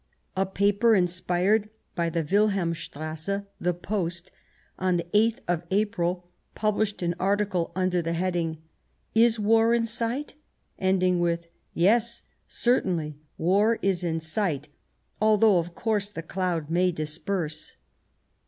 oMsV?"* A paper inspired by the Wilhelmstrasse, the Post, on the 8th of April, published an article under the heading : "Is War in Sight ?" ending with, " Yes, certainly war is in sight, although of course the cloud may disperse."